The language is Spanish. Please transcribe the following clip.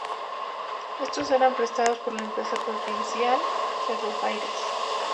Estos eran prestados por la empresa provincial Ferrobaires.